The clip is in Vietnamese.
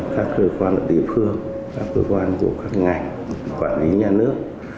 các cơ quan địa phương các cơ quan của các ngành quản lý nhà nước